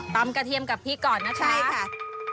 ตำกระเทียมกับพริกก่อนนะครับใช่ค่ะ